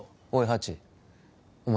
ハチお前